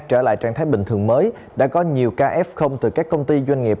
trở lại trạng thái bình thường mới đã có nhiều ca f từ các công ty doanh nghiệp